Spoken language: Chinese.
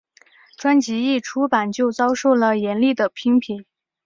专辑一出版就遭受了严厉的批评。